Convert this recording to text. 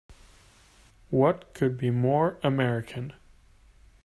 What could be more American!